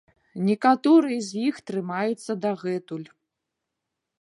Некаторыя з іх трымаюцца дагэтуль.